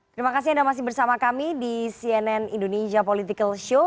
terima kasih anda masih bersama kami di cnn indonesia political show